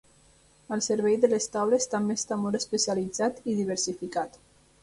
El servei de les taules també està molt especialitzat i diversificat.